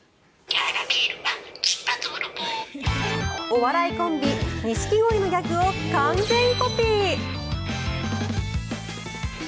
お笑いコンビ、錦鯉のギャグを完全コピー。